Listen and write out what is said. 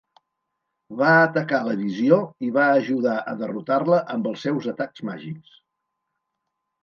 Va atacar la Visió i va ajudar a derrotar-la amb els seus atacs màgics.